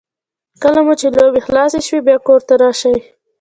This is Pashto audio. کله مو چې لوبې خلاصې شوې بیا کور ته راشئ.